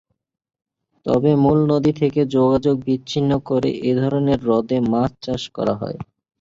তবে মূল নদী থেকে যোগাযোগ বিচ্ছিন্ন করে এ ধরনের হ্রদে মাছের চাষ করা যায়।